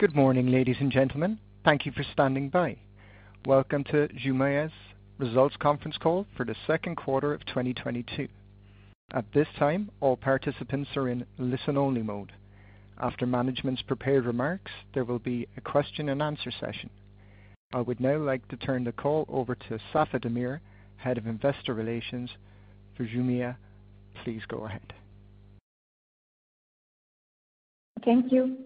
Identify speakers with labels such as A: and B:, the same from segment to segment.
A: Good morning, ladies and gentlemen. Thank you for standing by. Welcome to Jumia's results conference call for the second quarter of 2022. At this time, all participants are in listen-only mode. After management's prepared remarks, there will be a question and answer session. I would now like to turn the call over to Safae Damir, Head of Investor Relations for Jumia. Please go ahead.
B: Thank you.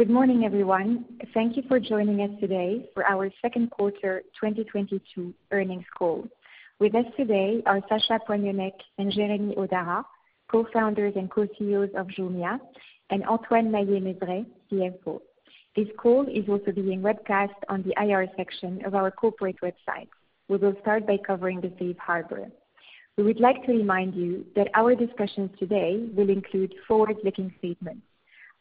B: Good morning, everyone. Thank you for joining us today for our second quarter 2022 earnings call. With us today are Sacha Poignonnec and Jeremy Hodara, co-founders and co-CEOs of Jumia, and Antoine Maillet-Mezeray, CFO. This call is also being webcast on the IR section of our corporate website. We will start by covering the safe harbor. We would like to remind you that our discussions today will include forward-looking statements.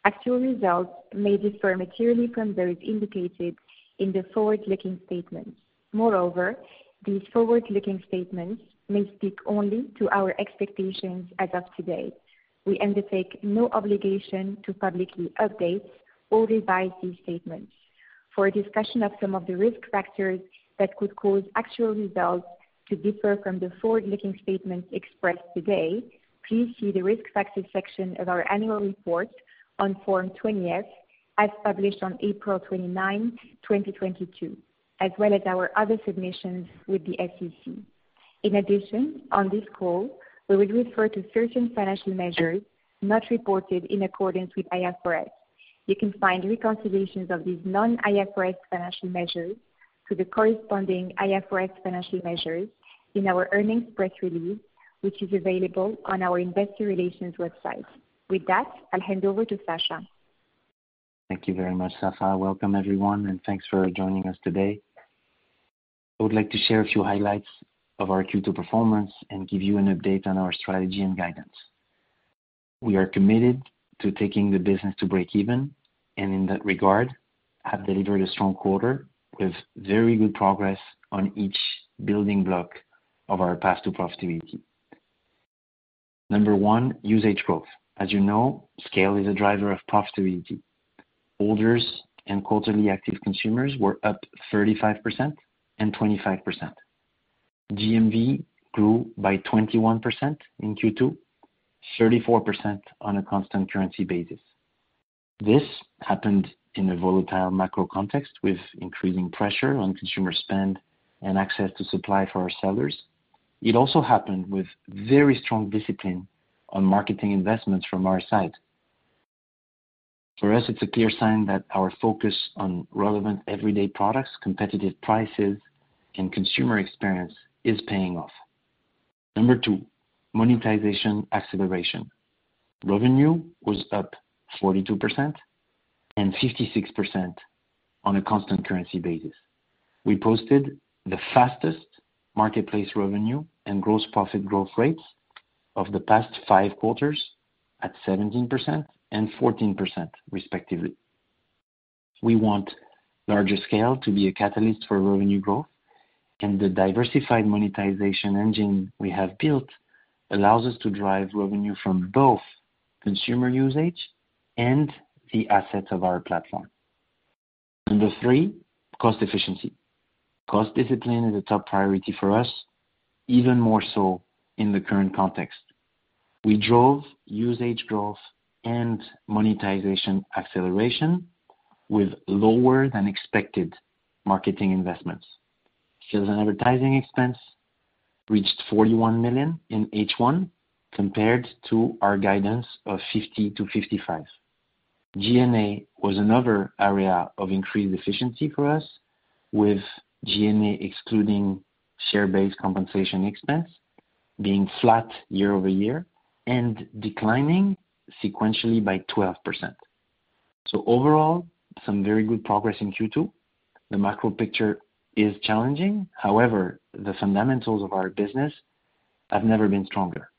B: Actual results may differ materially from those indicated in the forward-looking statements. Moreover, these forward-looking statements may speak only to our expectations as of today. We undertake no obligation to publicly update or revise these statements. For a discussion of some of the risk factors that could cause actual results to differ from the forward-looking statements expressed today, please see the Risk Factors section of our annual report on Form 20-F as published on April 29, 2022, as well as our other submissions with the SEC. In addition, on this call, we will refer to certain financial measures not reported in accordance with IFRS. You can find reconciliations of these non-IFRS financial measures to the corresponding IFRS financial measures in our earnings press release, which is available on our investor relations website. With that, I'll hand over to Sacha.
C: Thank you very much, Safae. Welcome everyone, and thanks for joining us today. I would like to share a few highlights of our Q2 performance and give you an update on our strategy and guidance. We are committed to taking the business to breakeven and in that regard, have delivered a strong quarter with very good progress on each building block of our path to profitability. Number one, usage growth. As you know, scale is a driver of profitability. Orders and quarterly active consumers were up 35% and 25%. GMV grew by 21% in Q2, 34% on a constant currency basis. This happened in a volatile macro context with increasing pressure on consumer spend and access to supply for our sellers. It also happened with very strong discipline on marketing investments from our side. For us, it's a clear sign that our focus on relevant everyday products, competitive prices, and consumer experience is paying off. Number two, monetization acceleration. Revenue was up 42% and 56% on a constant currency basis. We posted the fastest marketplace revenue and gross profit growth rates of the past five quarters at 17% and 14%, respectively. We want larger scale to be a catalyst for revenue growth, and the diversified monetization engine we have built allows us to drive revenue from both consumer usage and the assets of our platform. Number three, cost efficiency. Cost discipline is a top priority for us, even more so in the current context. We drove usage growth and monetization acceleration with lower than expected marketing investments. Sales and advertising expense reached $41 million in H1 compared to our guidance of $50 million-$55 million. G&A was another area of increased efficiency for us, with G&A excluding share-based compensation expense being flat year-over-year and declining sequentially by 12%. Overall, some very good progress in Q2. The macro picture is challenging. However, the fundamentals of our business have never been stronger.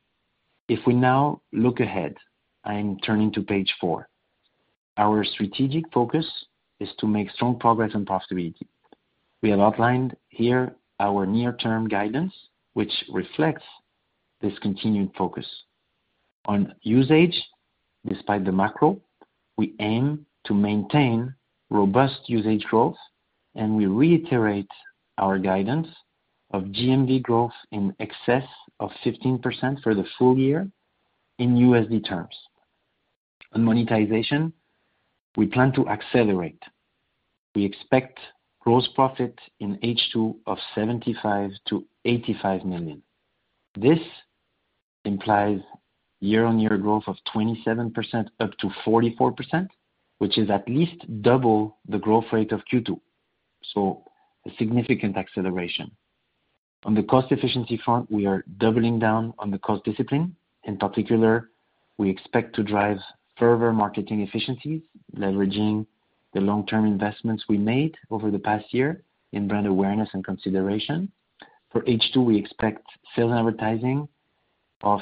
C: If we now look ahead, I am turning to page four. Our strategic focus is to make strong progress on profitability. We have outlined here our near-term guidance, which reflects this continued focus. On usage, despite the macro, we aim to maintain robust usage growth, and we reiterate our guidance of GMV growth in excess of 15% for the full year in USD terms. On monetization, we plan to accelerate. We expect gross profit in H2 of $75 million-$85 million. This implies year-on-year growth of 27% up to 44%, which is at least double the growth rate of Q2. A significant acceleration. On the cost efficiency front, we are doubling down on the cost discipline. In particular, we expect to drive further marketing efficiencies, leveraging the long-term investments we made over the past year in brand awareness and consideration. For H2, we expect sales advertising of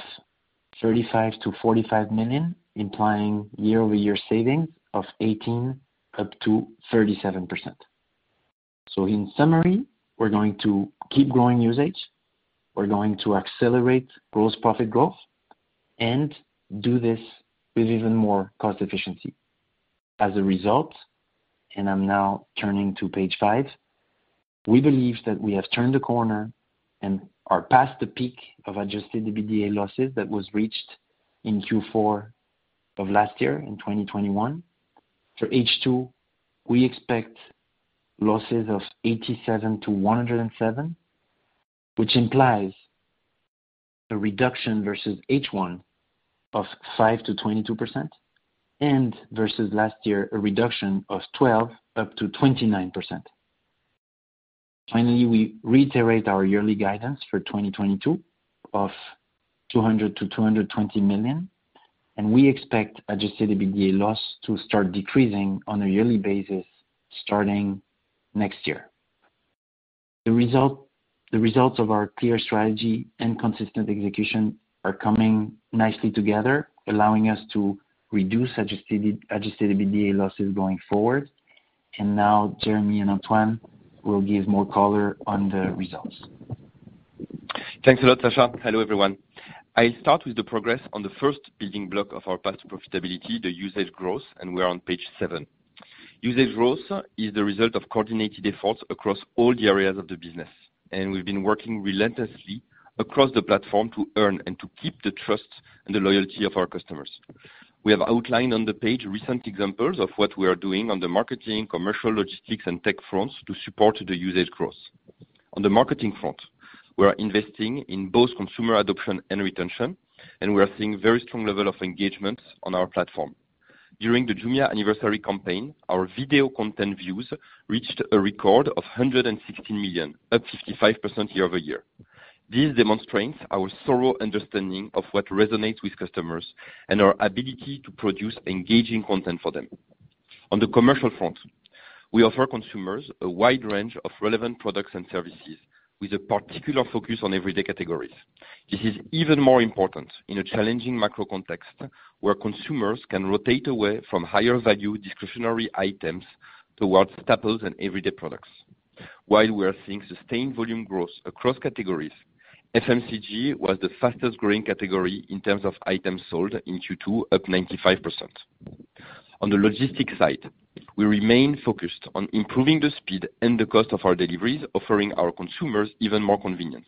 C: $35-$45 million, implying year-over-year savings of 18% up to 37%. In summary, we're going to keep growing usage, we're going to accelerate gross profit growth and do this with even more cost efficiency. As a result, and I'm now turning to page five, we believe that we have turned the corner and are past the peak of adjusted EBITDA losses that was reached in Q4 of last year, in 2021. For H2, we expect losses of $87-$107 million, which implies a reduction versus H1 of 5%-22%, and versus last year, a reduction of 12%-29%. Finally, we reiterate our yearly guidance for 2022 of $200-$220 million, and we expect adjusted EBITDA loss to start decreasing on a yearly basis starting next year. The results of our clear strategy and consistent execution are coming nicely together, allowing us to reduce adjusted EBITDA losses going forward. Now Jeremy and Antoine will give more color on the results.
D: Thanks a lot, Sacha. Hello, everyone. I'll start with the progress on the first building block of our path to profitability, the usage growth, and we are on page seven. Usage growth is the result of coordinated efforts across all the areas of the business, and we've been working relentlessly across the platform to earn and to keep the trust and the loyalty of our customers. We have outlined on the page recent examples of what we are doing on the marketing, commercial, logistics, and tech fronts to support the usage growth. On the marketing front, we are investing in both consumer adoption and retention, and we are seeing very strong level of engagement on our platform. During the Jumia Anniversary Campaign, our video content views reached a record of 160 million, up 55% year-over-year. This demonstrates our thorough understanding of what resonates with customers and our ability to produce engaging content for them. On the commercial front, we offer consumers a wide range of relevant products and services with a particular focus on everyday categories. This is even more important in a challenging macro context, where consumers can rotate away from higher value discretionary items towards staples and everyday products. While we are seeing sustained volume growth across categories, FMCG was the fastest growing category in terms of items sold in Q2, up 95%. On the logistics side, we remain focused on improving the speed and the cost of our deliveries, offering our consumers even more convenience.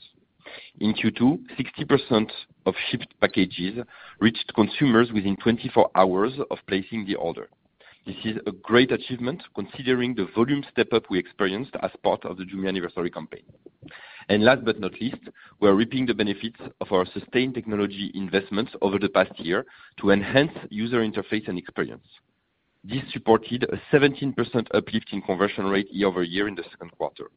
D: In Q2, 60% of shipped packages reached consumers within 24 hours of placing the order. This is a great achievement considering the volume step-up we experienced as part of the Jumia Anniversary Campaign. Last but not least, we're reaping the benefits of our sustained technology investments over the past year to enhance user interface and experience. This supported a 17% uplift in conversion rate year-over-year in the second quarter.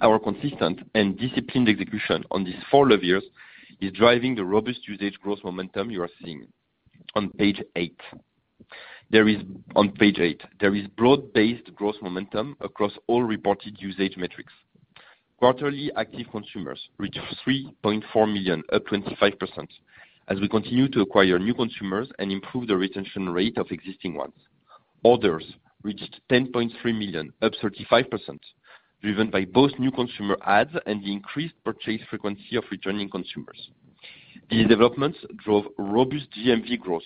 D: Our consistent and disciplined execution on these four levers is driving the robust usage growth momentum you are seeing. On page eight, there is broad-based growth momentum across all reported usage metrics. Quarterly active consumers reached $3.4 million, up 25%, as we continue to acquire new consumers and improve the retention rate of existing ones. Orders reached $10.3 million, up 35%, driven by both new consumer adds and the increased purchase frequency of returning consumers. These developments drove robust GMV growth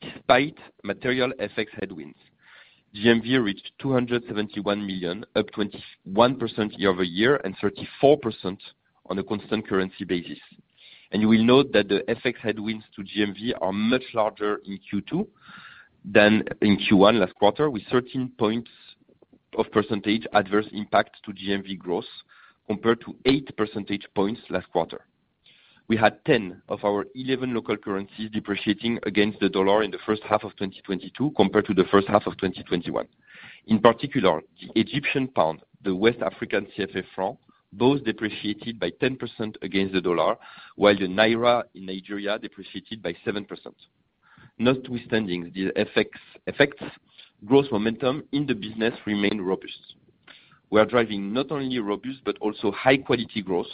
D: despite material FX headwinds. GMV reached $271 million, up 21% year-over-year, and 34% on a constant currency basis. You will note that the FX headwinds to GMV are much larger in Q2 than in Q1 last quarter, with 13% points adverse impact to GMV growth compared to 8% points last quarter. We had 10 of our 11 local currencies depreciating against the dollar in the first half of 2022 compared to the first half of 2021. In particular, the Egyptian pound, the West African CFA franc, both depreciated by 10% against the dollar, while the Naira in Nigeria depreciated by 7%. Notwithstanding these effects, growth momentum in the business remained robust. We are driving not only robust but also high quality growth,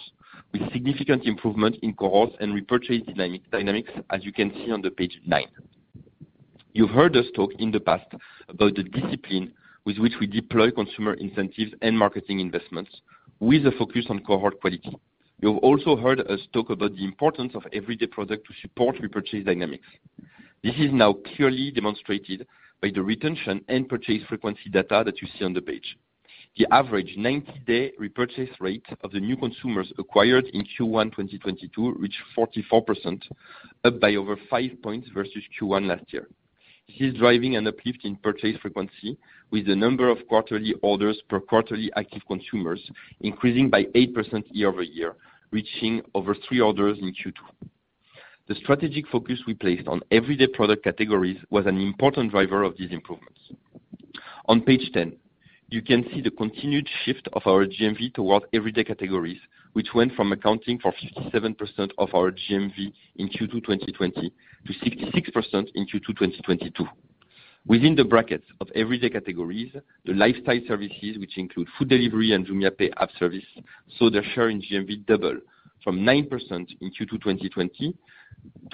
D: with significant improvement in cohorts and repurchase dynamics, as you can see on the page nine. You've heard us talk in the past about the discipline with which we deploy consumer incentives and marketing investments with a focus on cohort quality. You've also heard us talk about the importance of everyday product to support repurchase dynamics. This is now clearly demonstrated by the retention and purchase frequency data that you see on the page. The average 90-day repurchase rate of the new consumers acquired in Q1 2022 reached 44%, up by over five points versus Q1 last year. This is driving an uplift in purchase frequency with the number of quarterly orders per quarterly active consumers increasing by 8% year-over-year, reaching over three orders in Q2. The strategic focus we placed on everyday product categories was an important driver of these improvements. On page 10, you can see the continued shift of our GMV towards everyday categories, which went from accounting for 57% of our GMV in Q2 2020-66% in Q2 2022. Within the brackets of everyday categories, the lifestyle services, which include food delivery and JumiaPay app service, saw their share in GMV double from 9% in Q2 2020-18%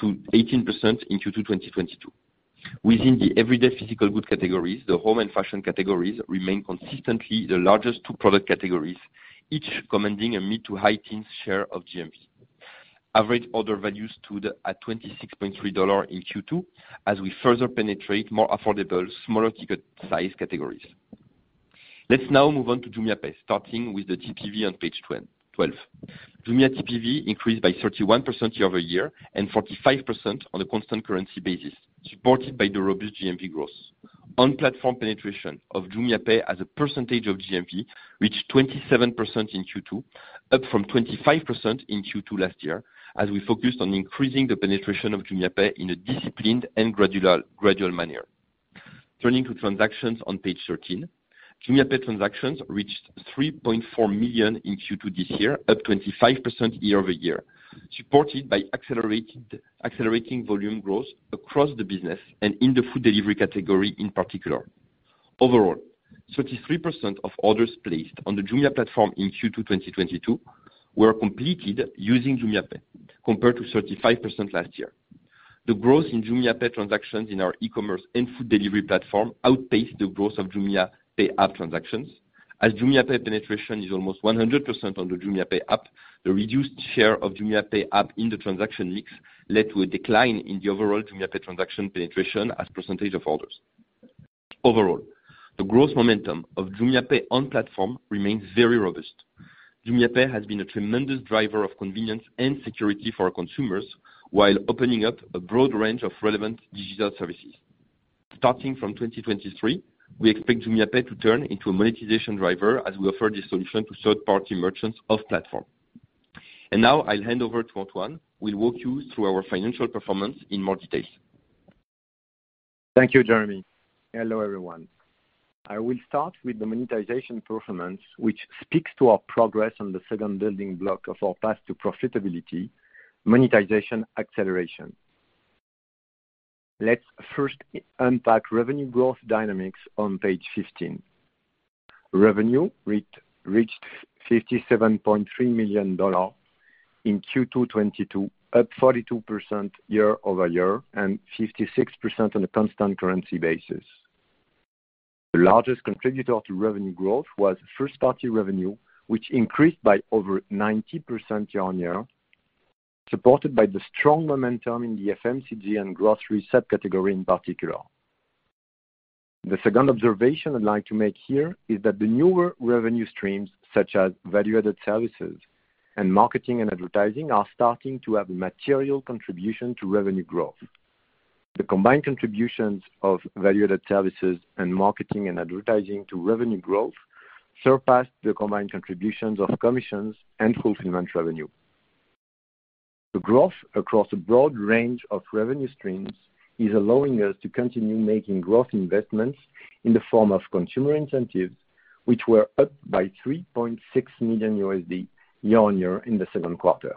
D: in Q2 2022. Within the everyday physical goods categories, the home and fashion categories remain consistently the largest two product categories, each commanding a mid to high teens share of GMV. Average order values stood at $26.3 in Q2, as we further penetrate more affordable, smaller ticket size categories. Let's now move on to JumiaPay, starting with the GPV on page 12. Jumia GPV increased by 31% year-over-year and 45% on a constant currency basis, supported by the robust GMV growth. On-platform penetration of JumiaPay as a percentage of GMV reached 27% in Q2, up from 25% in Q2 last year, as we focused on increasing the penetration of JumiaPay in a disciplined and gradual manner. Turning to transactions on page 13, JumiaPay transactions reached $3.4 million in Q2 this year, up 25% year-over-year, supported by accelerating volume growth across the business and in the food delivery category in particular. Overall, 33% of orders placed on the Jumia platform in Q2 2022 were completed using JumiaPay, compared to 35% last year. The growth in JumiaPay transactions in our e-commerce and food delivery platform outpaced the growth of JumiaPay app transactions. As JumiaPay penetration is almost 100% on the JumiaPay app, the reduced share of JumiaPay app in the transaction mix led to a decline in the overall JumiaPay transaction penetration as percentage of orders. Overall, the growth momentum of JumiaPay on platform remains very robust. JumiaPay has been a tremendous driver of convenience and security for our consumers, while opening up a broad range of relevant digital services. Starting from 2023, we expect JumiaPay to turn into a monetization driver as we offer this solution to third-party merchants off platform. Now I'll hand over to Antoine, who will walk you through our financial performance in more details.
E: Thank you, Jeremy. Hello, everyone. I will start with the monetization performance, which speaks to our progress on the second building block of our path to profitability, monetization acceleration. Let's first unpack revenue growth dynamics on page 15. Revenue reached $57.3 million in Q2 2022, up 42% year-over-year, and 56% on a constant currency basis. The largest contributor to revenue growth was first party revenue, which increased by over 90% year-over-year, supported by the strong momentum in the FMCG and grocery subcategory in particular. The second observation I'd like to make here is that the newer revenue streams, such as value-added services and marketing and advertising, are starting to have a material contribution to revenue growth. The combined contributions of value-added services and marketing and advertising to revenue growth surpassed the combined contributions of commissions and fulfillment revenue. The growth across a broad range of revenue streams is allowing us to continue making growth investments in the form of consumer incentives, which were up by $3.6 million year-on-year in the second quarter.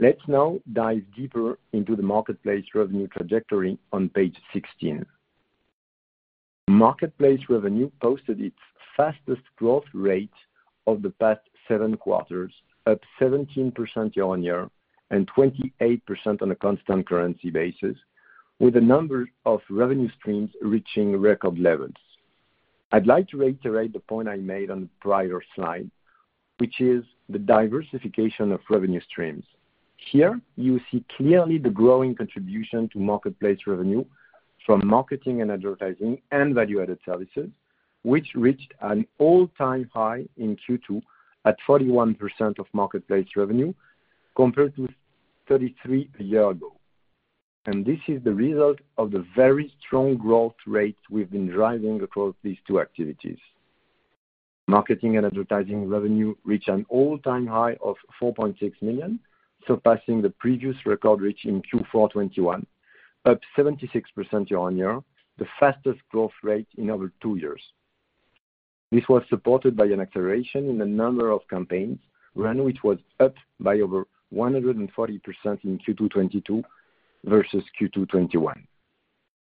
E: Let's now dive deeper into the marketplace revenue trajectory on page 16. Marketplace revenue posted its fastest growth rate of the past seven quarters, up 17% year-on-year and 28% on a constant currency basis, with a number of revenue streams reaching record levels. I'd like to reiterate the point I made on the prior slide, which is the diversification of revenue streams. Here, you see clearly the growing contribution to marketplace revenue from marketing and advertising and value-added services, which reached an all-time high in Q2 at 41% of marketplace revenue, compared to 33% a year ago. This is the result of the very strong growth rate we've been driving across these two activities. Marketing and advertising revenue reached an all-time high of $4.6 million, surpassing the previous record reached in Q4 2021, up 76% year-on-year, the fastest growth rate in over two years. This was supported by an acceleration in the number of campaigns run, which was up by over 140% in Q2 2022 versus Q2 2021.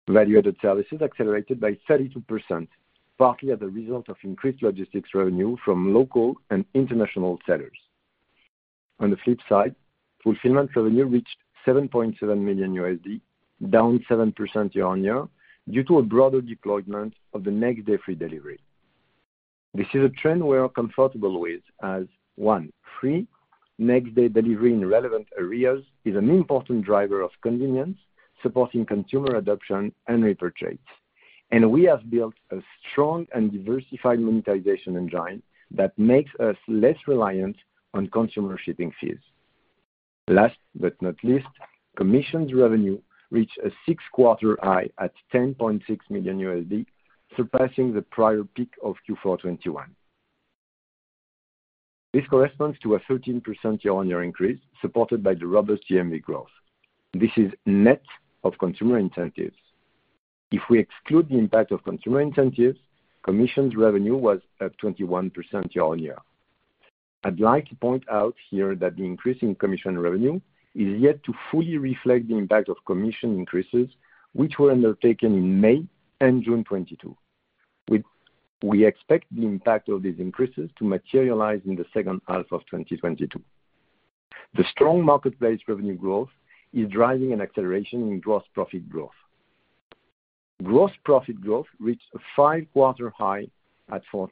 E: Value-added services accelerated by 32%, partly as a result of increased logistics revenue from local and international sellers. On the flip side, fulfillment revenue reached $7.7 million, down 7% year-on-year, due to a broader deployment of the next day free delivery. This is a trend we are comfortable with as, one, free next day delivery in relevant areas is an important driver of convenience, supporting consumer adoption and repeat rates. We have built a strong and diversified monetization engine that makes us less reliant on consumer shipping fees. Last but not least, commissions revenue reached a six-quarter high at $10.6 million, surpassing the prior peak of Q4 2021. This corresponds to a 13% year-on-year increase, supported by the robust GMV growth. This is net of consumer incentives. If we exclude the impact of consumer incentives, commissions revenue was up 21% year-on-year. I'd like to point out here that the increase in commission revenue is yet to fully reflect the impact of commission increases, which were undertaken in May and June 2022. We expect the impact of these increases to materialize in the second half of 2022. The strong marketplace revenue growth is driving an acceleration in gross profit growth. Gross profit growth reached a five-quarter high at 14%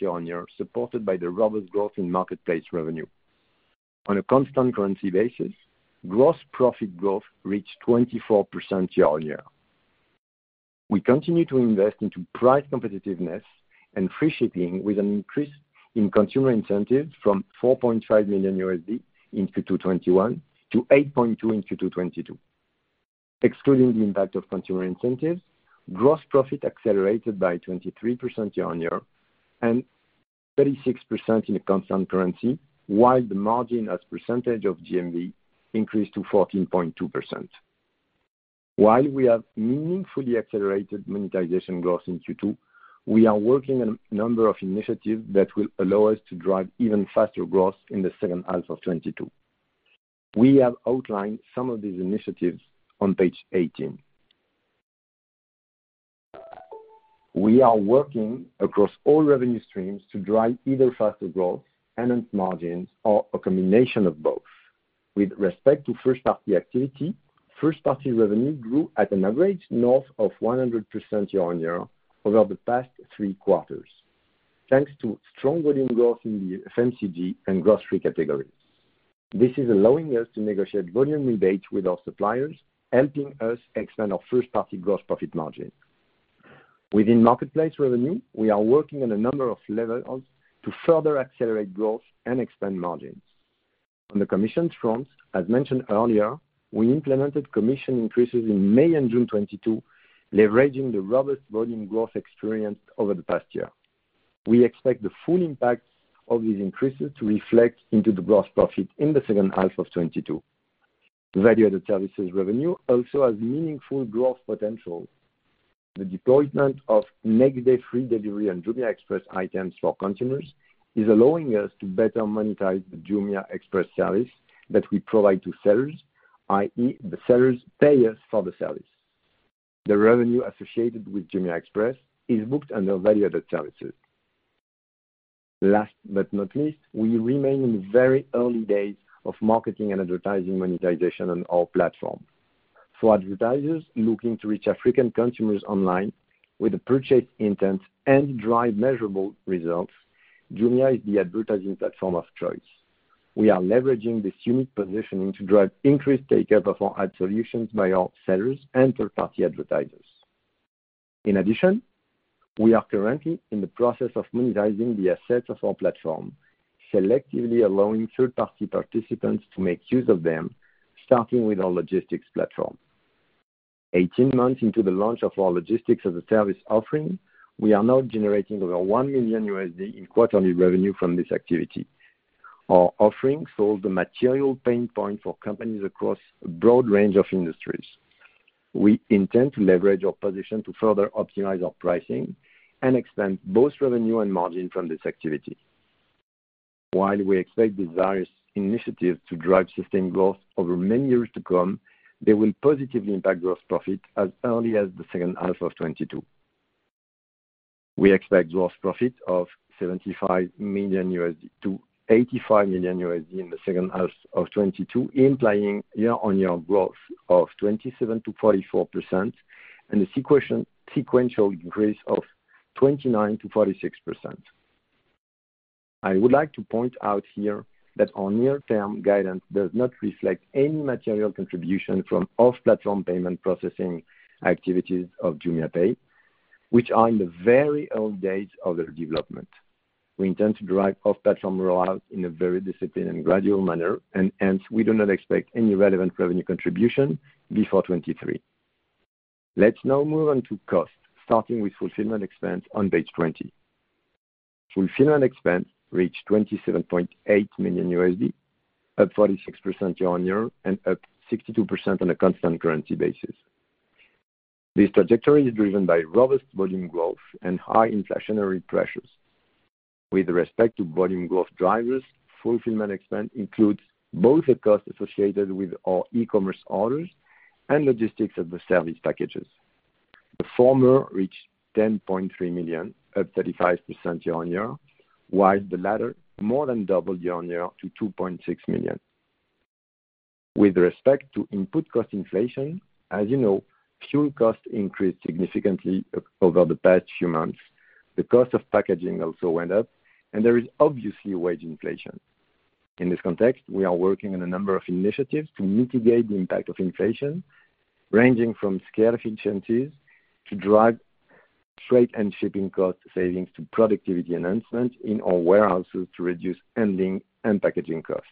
E: year-on-year, supported by the robust growth in marketplace revenue. On a constant currency basis, gross profit growth reached 24% year-on-year. We continue to invest into price competitiveness and free shipping with an increase in consumer incentives from $4.5 million in Q2 2021-$8.2 million in Q2 2022. Excluding the impact of consumer incentives, gross profit accelerated by 23% year-on-year and 36% in a constant currency, while the margin as percentage of GMV increased to 14.2%. While we have meaningfully accelerated monetization growth in Q2, we are working on a number of initiatives that will allow us to drive even faster growth in the second half of 2022. We have outlined some of these initiatives on page 18. We are working across all revenue streams to drive either faster growth and margins or a combination of both. With respect to first-party activity, first-party revenue grew at an average north of 100% year-on-year over the past 3/4, thanks to strong volume growth in the FMCG and grocery categories. This is allowing us to negotiate volume rebates with our suppliers, helping us expand our first-party gross profit margin. Within marketplace revenue, we are working on a number of levels to further accelerate growth and expand margins. On the commission front, as mentioned earlier, we implemented commission increases in May and June 2022, leveraging the robust volume growth experienced over the past year. We expect the full impact of these increases to reflect into the gross profit in the second half of 2022. The value-added services revenue also has meaningful growth potential. The deployment of next-day free delivery on Jumia Express items for consumers is allowing us to better monetize the Jumia Express service that we provide to sellers, i.e., the sellers pay us for the service. The revenue associated with Jumia Express is booked under value-added services. Last but not least, we remain in the very early days of marketing and advertising monetization on our platform. For advertisers looking to reach African consumers online with a purchase intent and drive measurable results, Jumia is the advertising platform of choice. We are leveraging this unique positioning to drive increased take-up of our ad solutions by our sellers and third-party advertisers. In addition, we are currently in the process of monetizing the assets of our platform, selectively allowing third-party participants to make use of them, starting with our logistics platform. 18 months into the launch of our logistics as a service offering, we are now generating over $1 million in quarterly revenue from this activity. Our offering solves a material pain point for companies across a broad range of industries. We intend to leverage our position to further optimize our pricing and expand both revenue and margin from this activity. While we expect these various initiatives to drive sustained growth over many years to come, they will positively impact gross profit as early as the second half of 2022. We expect gross profit of $75 million-$85 million in the second half of 2022, implying year-on-year growth of 27%-44% and a sequential increase of 29%-46%. I would like to point out here that our near-term guidance does not reflect any material contribution from off-platform payment processing activities of JumiaPay, which are in the very early days of their development. We intend to drive off-platform rollout in a very disciplined and gradual manner, and hence, we do not expect any relevant revenue contribution before 2023. Let's now move on to cost, starting with fulfillment expense on page 20. Fulfillment expense reached $27.8 million, up 46% year-over-year and up 62% on a constant currency basis. This trajectory is driven by robust volume growth and high inflationary pressures. With respect to volume growth drivers, fulfillment expense includes both the cost associated with our e-commerce orders and logistics of the service packages. The former reached $10.3 million, up 35% year-over-year, while the latter more than doubled year-over-year to $2.6 million. With respect to input cost inflation, as you know, fuel costs increased significantly over the past few months. The cost of packaging also went up, and there is obviously wage inflation. In this context, we are working on a number of initiatives to mitigate the impact of inflation, ranging from scale efficiencies to drive freight and shipping cost savings to productivity enhancements in our warehouses to reduce handling and packaging costs.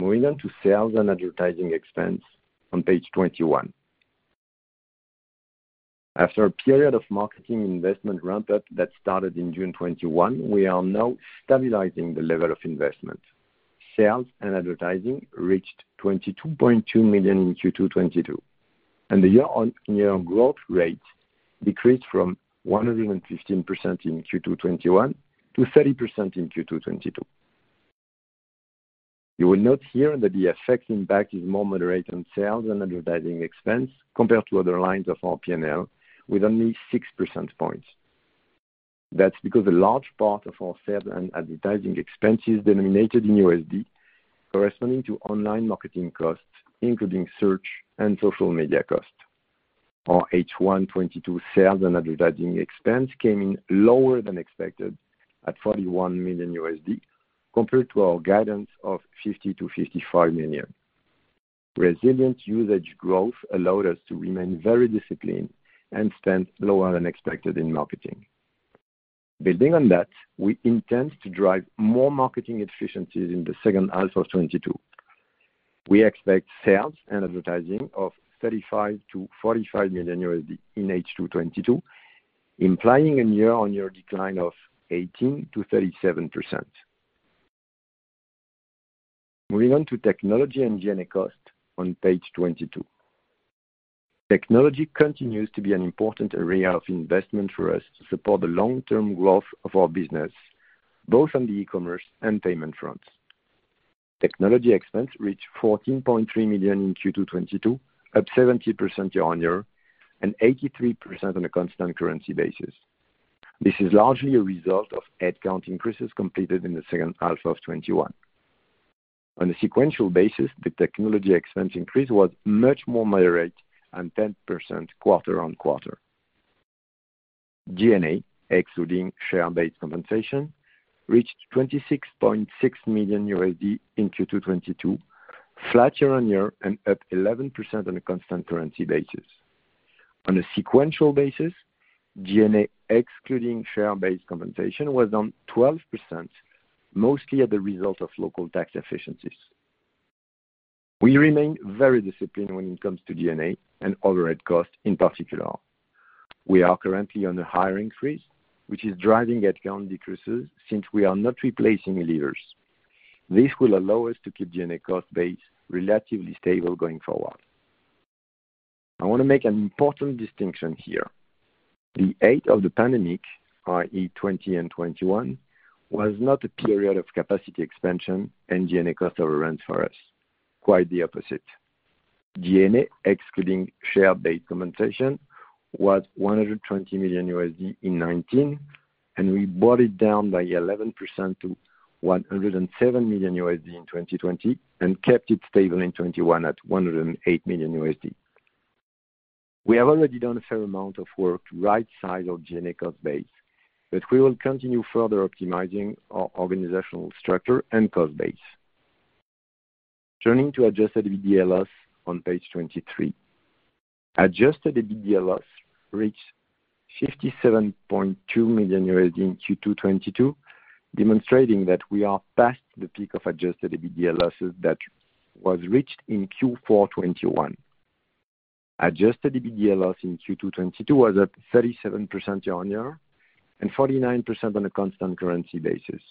E: Moving on to sales and advertising expense on page 21. After a period of marketing investment ramp-up that started in June 2021, we are now stabilizing the level of investment. Sales and advertising reached $22.2 million in Q2 2022, and the year-on-year growth rate decreased from 115% in Q2 2021-30% in Q2 2022. You will note here that the FX impact is more moderate on sales and advertising expense compared to other lines of our P&L, with only six% points. That's because a large part of our sales and advertising expense is denominated in USD, corresponding to online marketing costs, including search and social media costs. Our H1 2022 sales and advertising expense came in lower than expected at $41 million compared to our guidance of $50-$55 million. Resilient usage growth allowed us to remain very disciplined and spend lower than expected in marketing. Building on that, we intend to drive more marketing efficiencies in the second half of 2022. We expect sales and advertising of $35 million-$45 million in H2 2022, implying a year-on-year decline of 18%-37%. Moving on to technology and G&A cost on page 22. Technology continues to be an important area of investment for us to support the long-term growth of our business, both on the e-commerce and payment fronts. Technology expense reached $14.3 million in Q2 2022, up 70% year-on-year and 83% on a constant currency basis. This is largely a result of headcount increases completed in the second half of 2021. On a sequential basis, the technology expense increase was much more moderate and 10% quarter-on-quarter. G&A, excluding share-based compensation, reached $26.6 million in Q2 2022, flat year-on-year and up 11% on a constant currency basis. On a sequential basis, G&A, excluding share-based compensation, was down 12%, mostly as a result of local tax efficiencies. We remain very disciplined when it comes to G&A and overhead costs in particular. We are currently on a hiring freeze, which is driving headcount decreases since we are not replacing leaders. This will allow us to keep G&A cost base relatively stable going forward. I want to make an important distinction here. The height of the pandemic, i.e., 2020 and 2021, was not a period of capacity expansion and G&A cost overrun for us. Quite the opposite. G&A, excluding share-based compensation, was $120 million in 2019, and we brought it down by 11% to $107 million in 2020, and kept it stable in 2021 at $108 million. We have already done a fair amount of work to rightsize our G&A cost base, but we will continue further optimizing our organizational structure and cost base. Turning to adjusted EBITDA loss on page 23. Adjusted EBITDA loss reached $57.2 million in Q2 2022, demonstrating that we are past the peak of adjusted EBITDA losses that was reached in Q4 2021. Adjusted EBITDA loss in Q2 2022 was at 37% year-on-year and 49% on a constant currency basis.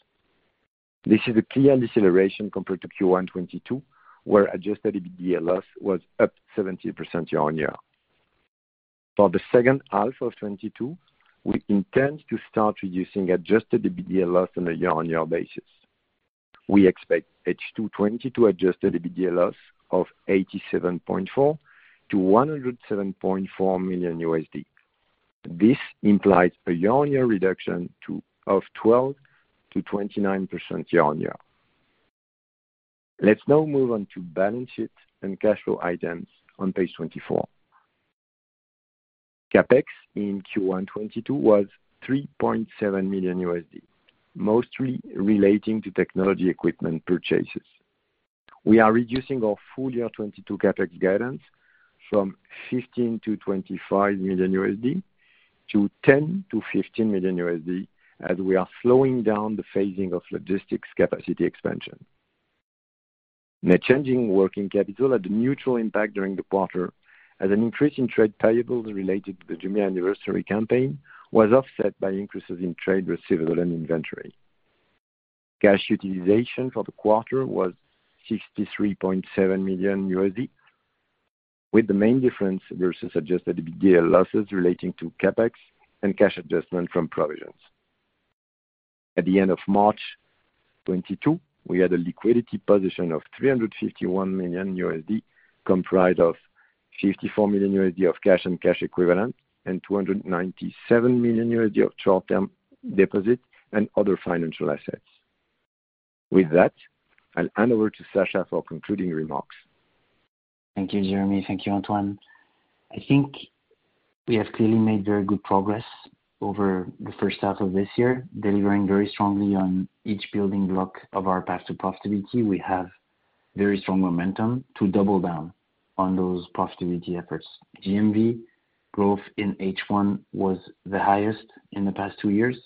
E: This is a clear deceleration compared to Q1 2022, where adjusted EBITDA loss was up 70% year-on-year. For the second half of 2022, we intend to start reducing adjusted EBITDA loss on a year-on-year basis. We expect H2 2022 adjusted EBITDA loss of $87.4 million-$107.4 million. This implies a year-on-year reduction of 12%-29% year-on-year. Let's now move on to balance sheet and cash flow items on page 24. CapEx in Q1 2022 was $3.7 million, mostly relating to technology equipment purchases. We are reducing our full year 2022 CapEx guidance from $15 million-$25 million to $10 million-$15 million, as we are slowing down the phasing of logistics capacity expansion. Net change in working capital had a neutral impact during the quarter, as an increase in trade payables related to the Jumia Anniversary Campaign was offset by increases in trade receivables and inventory. Cash utilization for the quarter was $63.7 million, with the main difference versus adjusted EBITDA losses relating to CapEx and cash adjustment from provisions. At the end of March 2022, we had a liquidity position of $351 million, comprised of $54 million of cash and cash equivalent and $297 million of short-term deposits and other financial assets. With that, I'll hand over to Sacha for concluding remarks.
C: Thank you, Jeremy. Thank you, Antoine. I think we have clearly made very good progress over the first half of this year, delivering very strongly on each building block of our path to profitability. We have very strong momentum to double down on those profitability efforts. GMV growth in H1 was the highest in the past two years.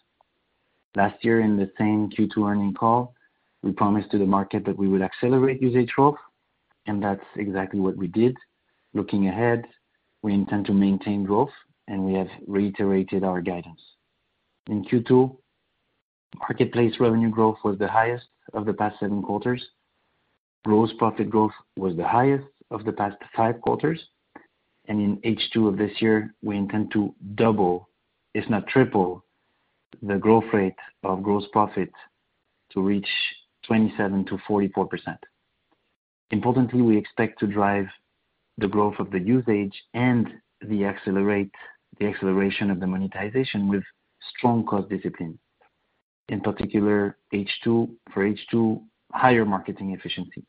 C: Last year in the same Q2 earnings call, we promised to the market that we would accelerate usage growth, and that's exactly what we did. Looking ahead, we intend to maintain growth, and we have reiterated our guidance. In Q2, marketplace revenue growth was the highest of the past seven quarters. Gross profit growth was the highest of the past five quarters. In H2 of this year, we intend to double, if not triple the growth rate of gross profit to reach 27%-44%. Importantly, we expect to drive the growth of the usage and the acceleration of the monetization with strong cost discipline. In particular, for H2, higher marketing efficiency.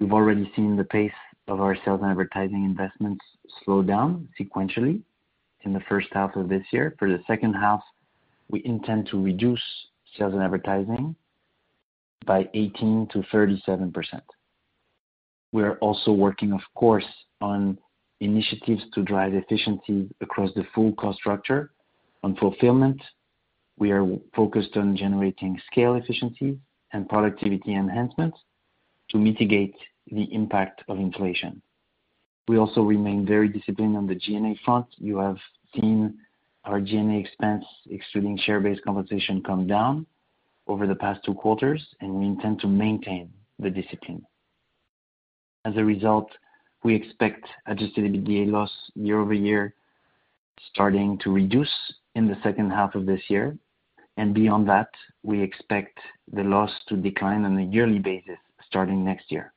C: We've already seen the pace of our sales and advertising investments slow down sequentially in the first half of this year. For the second half, we intend to reduce sales and advertising by 18%-37%. We are also working, of course, on initiatives to drive efficiency across the full cost structure. On fulfillment, we are focused on generating scale efficiency and productivity enhancements to mitigate the impact of inflation. We also remain very disciplined on the G&A front. You have seen our G&A expense, excluding share-based compensation, come down over the past two quarters, and we intend to maintain the discipline. As a result, we expect adjusted EBITDA loss year-over-year starting to reduce in the second half of this year. Beyond that, we expect the loss to decline on a yearly basis starting next year.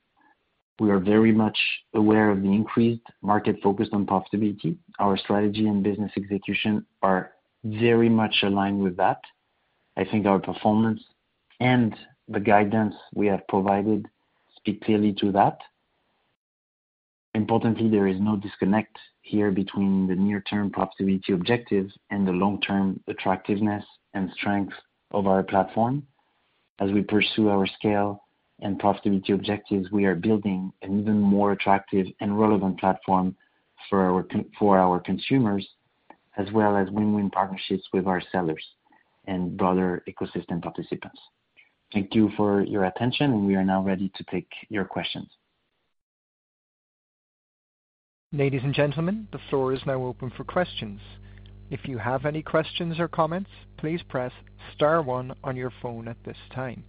C: We are very much aware of the increased market focus on profitability. Our strategy and business execution are very much aligned with that. I think our performance and the guidance we have provided speak clearly to that. Importantly, there is no disconnect here between the near-term profitability objectives and the long-term attractiveness and strength of our platform. As we pursue our scale and profitability objectives, we are building an even more attractive and relevant platform for our consumers, as well as win-win partnerships with our sellers and broader ecosystem participants. Thank you for your attention, and we are now ready to take your questions.
A: Ladies and gentlemen, the floor is now open for questions. If you have any questions or comments, please press star one on your phone at this time.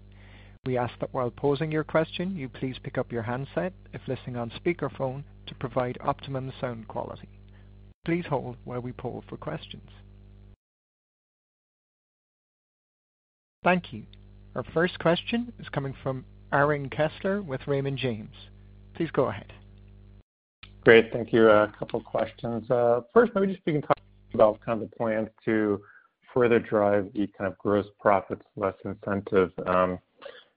A: We ask that while posing your question, you please pick up your handset if listening on speakerphone to provide optimum sound quality. Please hold while we poll for questions. Thank you. Our first question is coming from Aaron Kessler with Raymond James. Please go ahead.
F: Great. Thank you. A couple questions. First, maybe just if you can talk about kind of the plan to further drive the kind of gross profits, less incentive,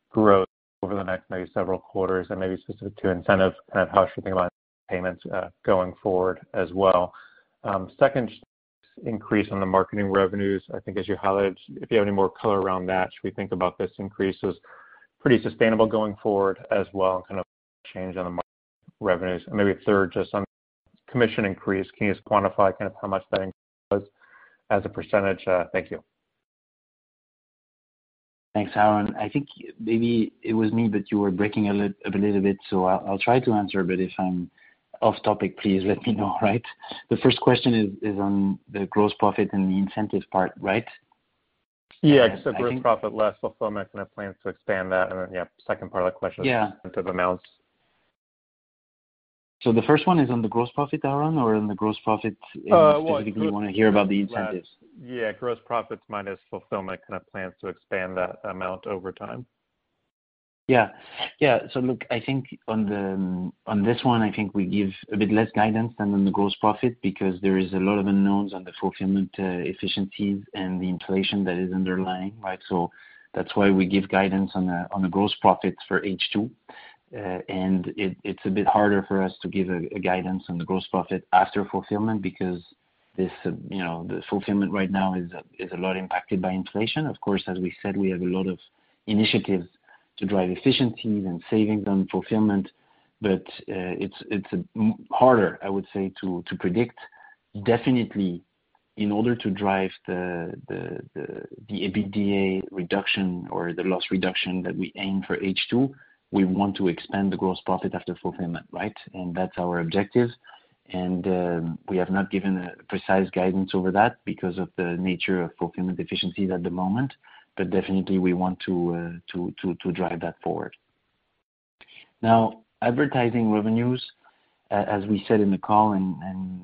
F: growth over the next maybe several quarters and maybe specific to incentives, kind of how I should think about payments going forward as well. Second, increase on the marketing revenues. I think as you highlighted, if you have any more color around that, should we think about this increase as pretty sustainable going forward as well and kind of change on the marketing revenues? Maybe third, just on commission increase, can you just quantify kind of how much that increase was as a percentage? Thank you.
C: Thanks, Aaron. I think maybe it was me, but you were breaking up a little bit, so I'll try to answer. If I'm off topic, please let me know, right? The first question is on the gross profit and the incentive part, right?
F: Yeah. Gross profit, less fulfillment and the plans to expand that. Yeah, second part of the question.
C: Yeah.
F: of amounts.
C: The first one is on the gross profit, Aaron.
F: Well.
C: Specifically want to hear about the incentives?
F: Yeah, gross profits minus fulfillment, kind of plans to expand that amount over time.
C: Look, I think on the, on this one, I think we give a bit less guidance than on the gross profit because there is a lot of unknowns on the fulfillment efficiencies and the inflation that is underlying, right? That's why we give guidance on the gross profits for H2. It's a bit harder for us to give a guidance on the gross profit after fulfillment because this, you know, the fulfillment right now is a lot impacted by inflation. Of course, as we said, we have a lot of initiatives to drive efficiencies and savings on fulfillment. It's much harder, I would say, to predict. Definitely, in order to drive the EBITDA reduction or the loss reduction that we aim for H2, we want to expand the gross profit after fulfillment, right? That's our objective. We have not given a precise guidance over that because of the nature of fulfillment efficiencies at the moment. Definitely we want to drive that forward. Now, advertising revenues, as we said in the call, and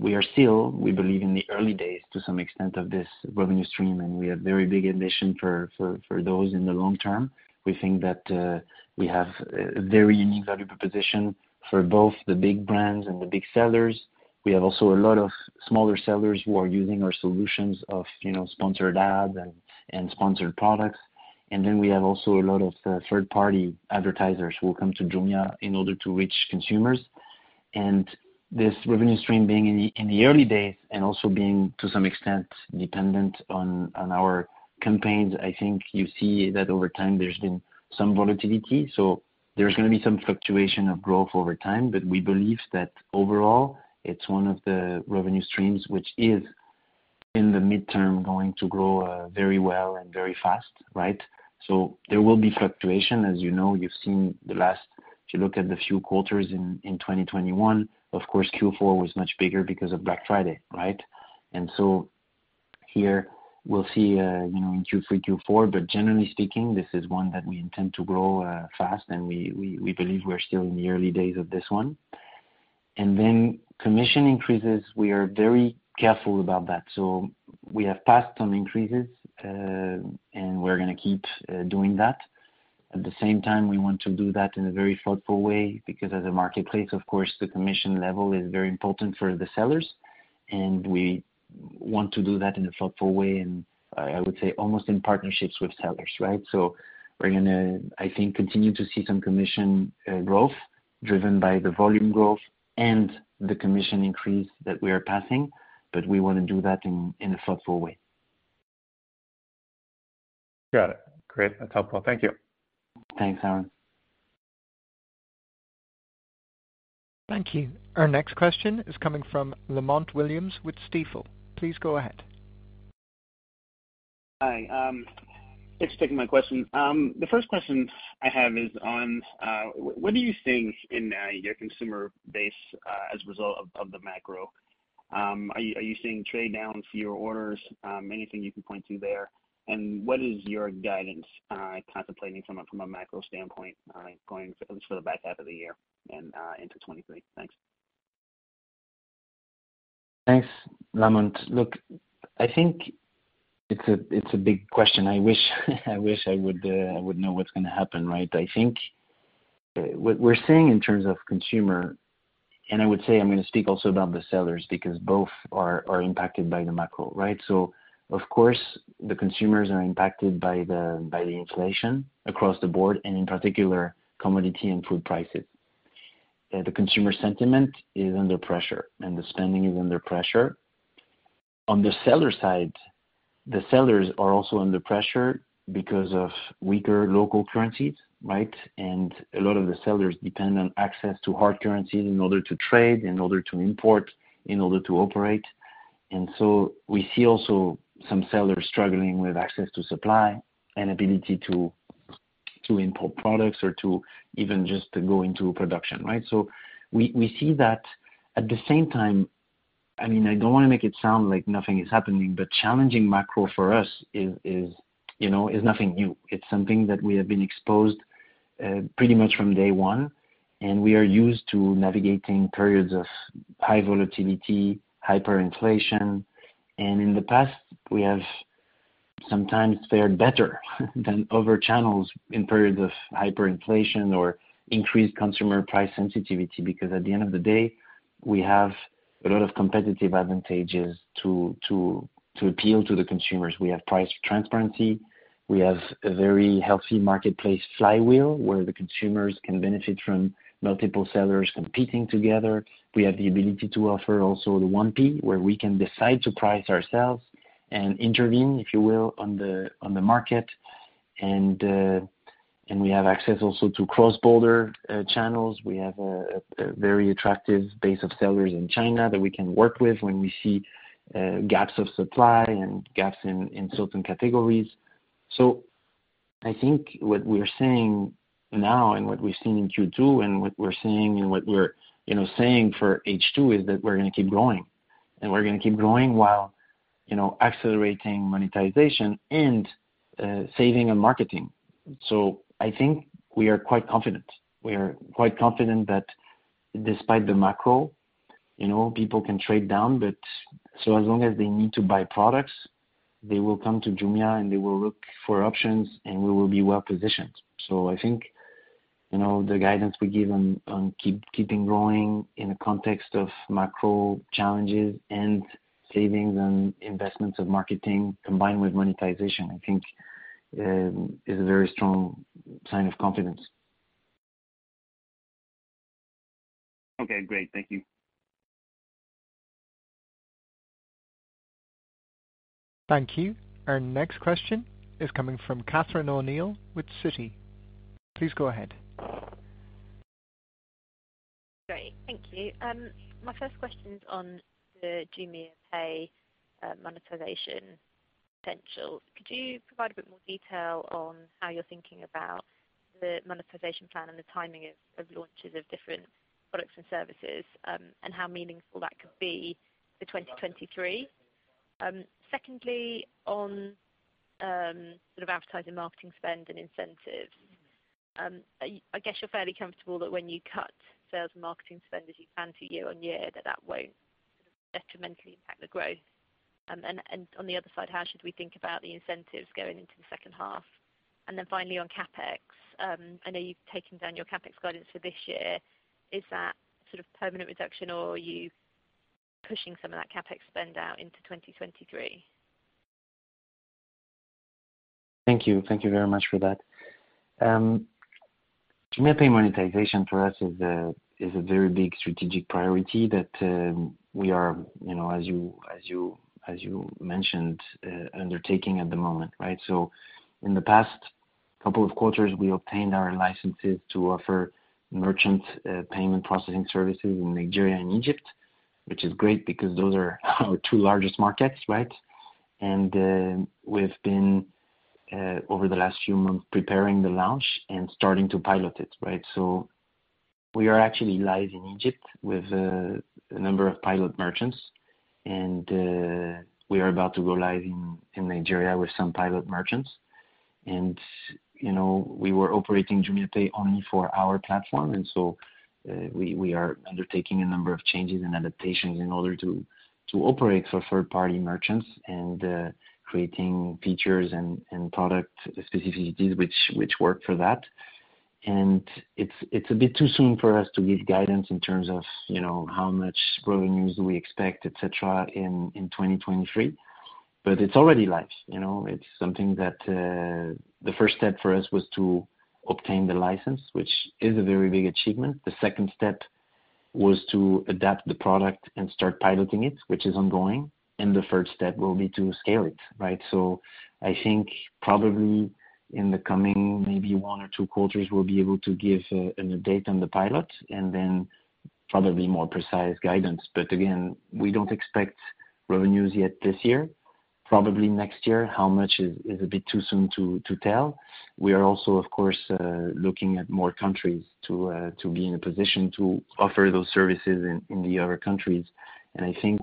C: we are still, we believe in the early days to some extent of this revenue stream, and we have very big ambition for those in the long term. We think that we have a very unique value proposition for both the big brands and the big sellers. We have also a lot of smaller sellers who are using our solutions of, you know, sponsored ads and sponsored products. We have also a lot of third-party advertisers who come to Jumia in order to reach consumers. This revenue stream being in the early days and also being to some extent dependent on our campaigns, I think you see that over time there's been some volatility. There's gonna be some fluctuation of growth over time, but we believe that overall it's one of the revenue streams which is in the midterm going to grow very well and very fast, right? There will be fluctuation. As you know, you've seen. If you look at the few quarters in 2021, of course, Q4 was much bigger because of Black Friday, right? Here we'll see you know, in Q3, Q4, but generally speaking, this is one that we intend to grow fast. We believe we're still in the early days of this one. Commission increases, we are very careful about that. We have passed some increases, and we're gonna keep doing that. At the same time, we want to do that in a very thoughtful way because as a marketplace, of course, the commission level is very important for the sellers, and we want to do that in a thoughtful way and I would say almost in partnerships with sellers, right? We're gonna, I think, continue to see some commission growth driven by the volume growth and the commission increase that we are passing, but we wanna do that in a thoughtful way.
F: Got it. Great. That's helpful. Thank you.
C: Thanks, Aaron.
A: Thank you. Our next question is coming from Lamont Williams with Stifel. Please go ahead.
G: Hi. Thanks for taking my question. The first question I have is on what you are seeing in your consumer base as a result of the macro? Are you seeing trade downs for your orders? Anything you can point to there? What is your guidance contemplating from a macro standpoint going at least for the back half of the year and into 2023? Thanks.
C: Thanks, Lamont. Look, I think it's a big question. I wish I would know what's gonna happen, right? I think what we're seeing in terms of consumer, and I would say I'm gonna speak also about the sellers because both are impacted by the macro, right? Of course, the consumers are impacted by the inflation across the board, and in particular, commodity and food prices. The consumer sentiment is under pressure, and the spending is under pressure. On the seller side, the sellers are also under pressure because of weaker local currencies, right? A lot of the sellers depend on access to hard currencies in order to trade, in order to import, in order to operate. We see also some sellers struggling with access to supply and ability to import products or to even just go into production, right? We see that. At the same time. I mean, I don't wanna make it sound like nothing is happening, but challenging macro for us is, you know, nothing new. It's something that we have been exposed pretty much from day one, and we are used to navigating periods of high volatility, hyperinflation. In the past, we have sometimes fared better than other channels in periods of hyperinflation or increased consumer price sensitivity, because at the end of the day, we have a lot of competitive advantages to appeal to the consumers. We have price transparency. We have a very healthy marketplace flywheel, where the consumers can benefit from multiple sellers competing together. We have the ability to offer also the 1P, where we can decide to price ourselves and intervene, if you will, on the market. We have access also to cross-border channels. We have a very attractive base of sellers in China that we can work with when we see gaps of supply and gaps in certain categories. I think what we're seeing now and what we've seen in Q2 and what we're saying for H2 is that we're gonna keep growing. We're gonna keep growing while, you know, accelerating monetization and saving on marketing. I think we are quite confident. We are quite confident that despite the macro, you know, people can trade down, but so as long as they need to buy products, they will come to Jumia, and they will look for options, and we will be well positioned. I think, you know, the guidance we give on keeping growing in the context of macro challenges and savings and investments of marketing combined with monetization, I think, is a very strong sign of confidence.
G: Okay, great. Thank you.
A: Thank you. Our next question is coming from Catherine O'Neill with Citi. Please go ahead.
H: Great. Thank you. My first question is on the JumiaPay monetization potential. Could you provide a bit more detail on how you're thinking about the monetization plan and the timing of launches of different products and services, and how meaningful that could be for 2023? Secondly, on sort of advertising marketing spend and incentives, I guess you're fairly comfortable that when you cut sales and marketing spend as you plan to year-on-year, that won't detrimentally impact the growth. And on the other side, how should we think about the incentives going into the second half? Finally on CapEx, I know you've taken down your CapEx guidance for this year. Is that sort of permanent reduction or are you pushing some of that CapEx spend out into 2023?
C: Thank you. Thank you very much for that. JumiaPay monetization for us is a very big strategic priority that we are, you know, as you mentioned, undertaking at the moment, right? In the past couple of quarters, we obtained our licenses to offer merchant payment processing services in Nigeria and Egypt, which is great because those are our two largest markets, right? We've been over the last few months preparing the launch and starting to pilot it, right? We are actually live in Egypt with a number of pilot merchants. We are about to go live in Nigeria with some pilot merchants. You know, we were operating JumiaPay only for our platform, and so we are undertaking a number of changes and adaptations in order to operate for third-party merchants and creating features and product specificities which work for that. It's a bit too soon for us to give guidance in terms of, you know, how much revenues we expect, et cetera, in 2023. It's already live, you know? It's something that. The first step for us was to obtain the license, which is a very big achievement. The second step was to adapt the product and start piloting it, which is ongoing. The third step will be to scale it, right? I think probably in the coming maybe one or two quarters, we'll be able to give an update on the pilot, and then probably more precise guidance. Again, we don't expect revenues yet this year, probably next year. How much is a bit too soon to tell. We are also, of course, looking at more countries to be in a position to offer those services in the other countries. I think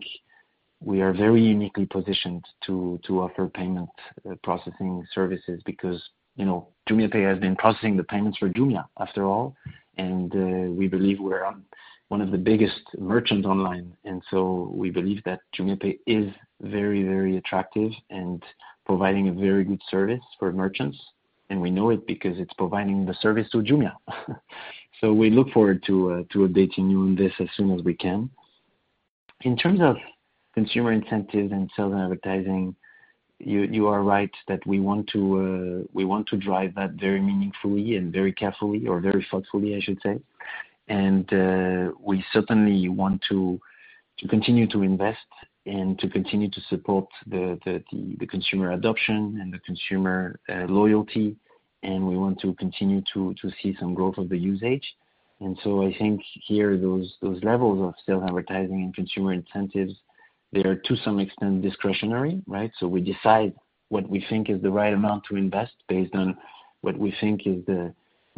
C: we are very uniquely positioned to offer payment processing services because, you know, JumiaPay has been processing the payments for Jumia after all, and we believe we're one of the biggest merchants online. We believe that JumiaPay is very, very attractive and providing a very good service for merchants. We know it because it's providing the service to Jumia. We look forward to updating you on this as soon as we can. In terms of consumer incentive and sales and advertising, you are right that we want to drive that very meaningfully and very carefully or very thoughtfully, I should say. We certainly want to continue to invest and to continue to support the consumer adoption and the consumer loyalty. We want to continue to see some growth of the usage. I think here, those levels of sales, advertising, and consumer incentives, they are to some extent discretionary, right? We decide what we think is the right amount to invest based on what we think is the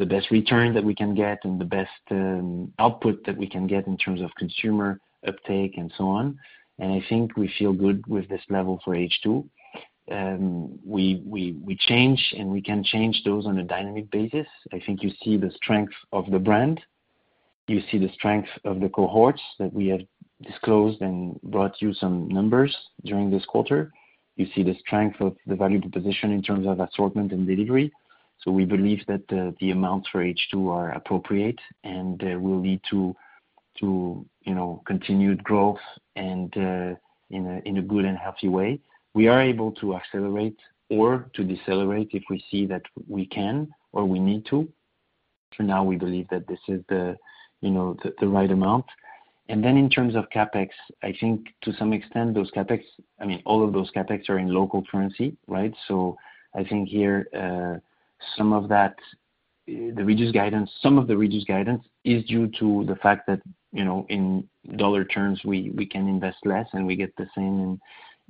C: best return that we can get and the best output that we can get in terms of consumer uptake and so on. I think we feel good with this level for H2. We change and we can change those on a dynamic basis. I think you see the strength of the brand. You see the strength of the cohorts that we have disclosed and brought you some numbers during this quarter. You see the strength of the value proposition in terms of assortment and delivery. We believe that the amounts for H2 are appropriate and will lead to you know continued growth and in a good and healthy way. We are able to accelerate or to decelerate if we see that we can or we need to. For now, we believe that this is the you know the right amount. Then in terms of CapEx, I think to some extent those CapEx I mean all of those CapEx are in local currency, right? So I think here some of the reduced guidance is due to the fact that you know in dollar terms we can invest less and we get the same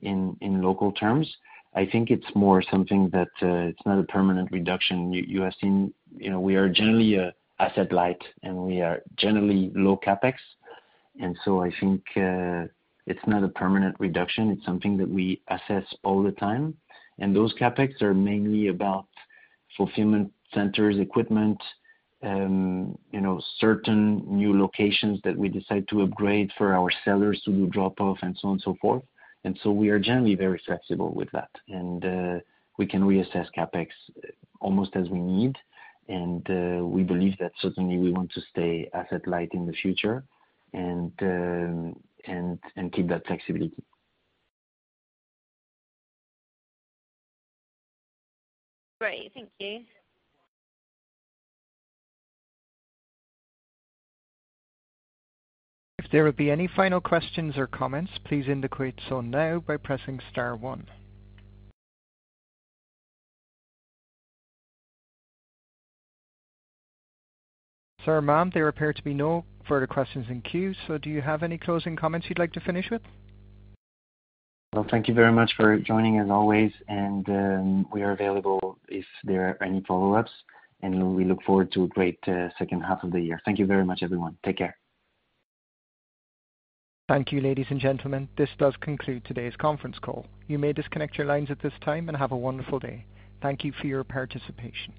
C: in local terms. I think it's more something that it's not a permanent reduction. You have seen you know we are generally asset light, and we are generally low CapEx. I think it's not a permanent reduction. It's something that we assess all the time. Those CapEx are mainly about fulfillment centers, equipment, you know, certain new locations that we decide to upgrade for our sellers to do drop off and so on and so forth. We are generally very flexible with that. We can reassess CapEx almost as we need. We believe that certainly we want to stay asset light in the future and keep that flexibility.
H: Great. Thank you.
A: If there would be any final questions or comments, please indicate so now by pressing star one. Sir, ma'am, there appear to be no further questions in queue. Do you have any closing comments you'd like to finish with?
C: Well, thank you very much for joining, as always. We are available if there are any follow-ups, and we look forward to a great second half of the year. Thank you very much, everyone. Take care.
A: Thank you, ladies and gentlemen. This does conclude today's conference call. You may disconnect your lines at this time and have a wonderful day. Thank you for your participation.